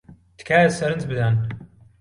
تکایە سەرنج بدەن.